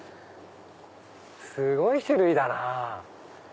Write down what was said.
すごい種類だなぁ。